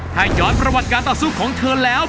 ถ้าย้อนประวัติการต่อสู้ของเธอแล้ว